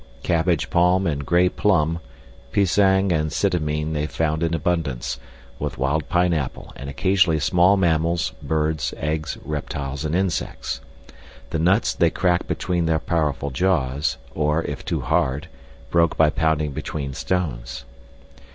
Cabbage palm and gray plum, pisang and scitamine they found in abundance, with wild pineapple, and occasionally small mammals, birds, eggs, reptiles, and insects. The nuts they cracked between their powerful jaws, or, if too hard, broke by pounding between stones.